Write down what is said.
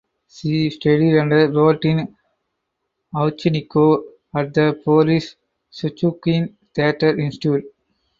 She studied under Rodion Ovchinnikov at the Boris Shchukin Theatre Institute.